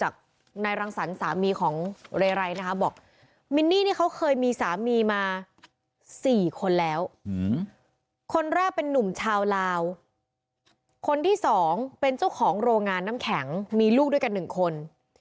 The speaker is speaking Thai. คนที่สองเป็นเจ้าของโรงงานน้ำแข็งมีลูกด้วยกันหนึ่งคน